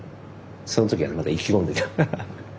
その時はまだ意気込んでた。